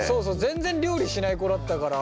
全然料理しない子だったから。